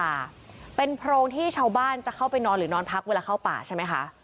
ค่ะเป็นโพรงที่ชาวบ้านจะเข้าไปนอนหรือนอนพักเวลาเข้าป่าใช่ไหมคะ